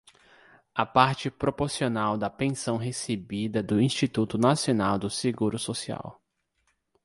A parte proporcional da pensão recebida do Instituto Nacional do Seguro Social.